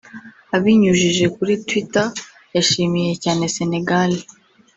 abinyujije kuri Twitter yashimiye cyane Sénégal